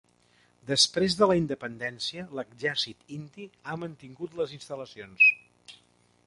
Després de la independència l'exèrcit indi ha mantingut les instal·lacions.